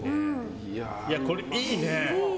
これいいね。